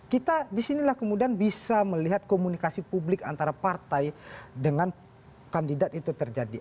kita disinilah kemudian bisa melihat komunikasi publik antara partai dengan kandidat itu terjadi